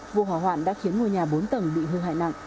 vụ hỏa hoạn đã khiến ngôi nhà bốn tầng bị hư hại nặng